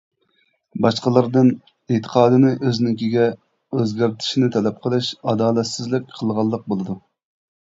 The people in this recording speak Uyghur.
باشقىلاردىن ئېتىقادىنى ئۆزىنىڭكىگە ئۆزگەرتىشنى تەلەپ قىلىش ئادالەتسىزلىك قىلغانلىق بولىدۇ.